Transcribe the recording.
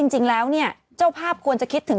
จริงแล้วเนี่ยเจ้าภาพควรจะคิดถึง